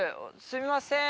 すみません。